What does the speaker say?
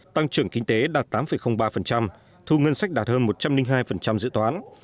tăng trưởng kinh tế đạt tám ba thu ngân sách đạt hơn một trăm linh hai dự toán